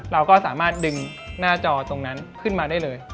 เราก็สามารถดึงหน้าจอตรงนั้นขึ้นมาได้เลย